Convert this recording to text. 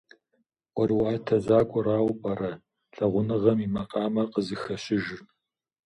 ӀуэрыӀуатэ закъуэрауэ пӀэрэ лъагъуныгъэм и макъамэр къызыхэщыжыр?